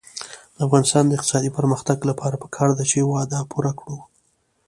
د افغانستان د اقتصادي پرمختګ لپاره پکار ده چې وعده پوره کړو.